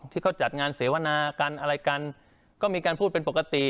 ที่เขาจัดงานเสวนากันอะไรกันก็มีการพูดเป็นปกติ